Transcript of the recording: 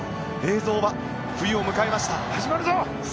映像は冬を迎えました。